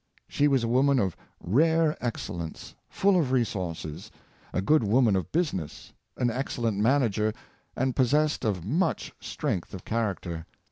She was a woman of rare excellence, full of resources, a good w^oman of business, an excellent manager, and possessed of much strength of character.